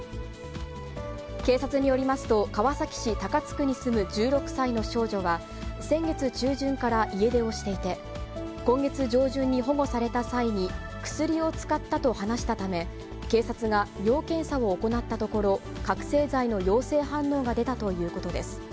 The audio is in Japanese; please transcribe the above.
警察によりますと、川崎市高津区に住む１６歳の少女は、先月中旬から家出をしていて、今月上旬に保護された際に、薬を使ったと話したため、警察が尿検査を行ったところ、覚醒剤の陽性反応が出たということです。